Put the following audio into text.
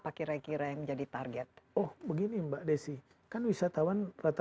nah ini signifikansinya terhadap misalnya meningkatkan jumlah wisatawan ke sana